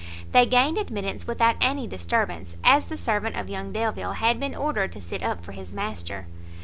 They gained admittance without any disturbance, as the servant of young Delvile had been ordered to sit up for his master.